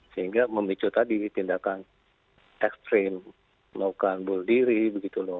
sehingga memicu tadi tindakan ekstrim melakukan bunuh diri begitu loh